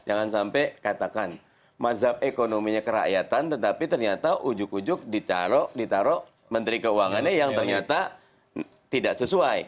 jangan sampai katakan mazhab ekonominya kerakyatan tetapi ternyata ujuk ujug ditaruh menteri keuangannya yang ternyata tidak sesuai